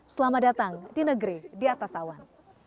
selamat datang di negeri diatas awan